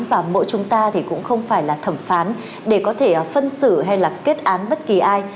và mỗi chúng ta thì cũng không phải là thẩm phán để có thể phân xử hay là kết án bất kỳ ai